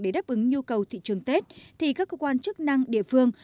để đáp ứng nhu cầu thị trường tết thì các cơ quan chức năng địa phương